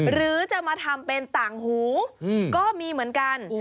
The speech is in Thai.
หรือจะมาทำเป็นต่างหูก็มีเหมือนกัน